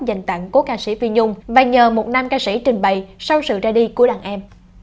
dành tặng cố ca sĩ viung và nhờ một nam ca sĩ trình bày sau sự ra đi của đàn em